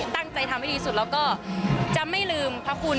ตั้งใจทำให้ดีสุดแล้วก็จะไม่ลืมพระคุณ